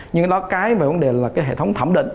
nhưng đó cái về hệ thống thẩm định